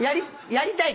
やりたい！